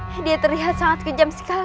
tidak akan ada yang bisa menghapaskanmu